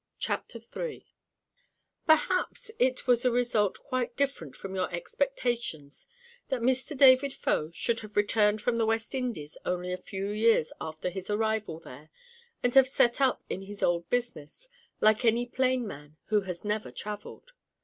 CHAPTER III Perhaps it was a result quite different from your expectations, that Mr. David Faux should have returned from the West Indies only a few years after his arrival there, and have set up in his old business, like any plain man who has never travelled.